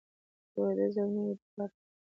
دودیزه او نوې دواړه